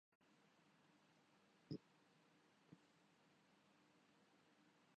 Libya میں انتشار پیدا کیا جاتا ہے۔